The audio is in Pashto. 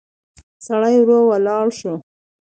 سړی ورو ولاړ شو.